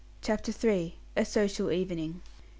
CHAPTER III. A SOCIAL EVENING.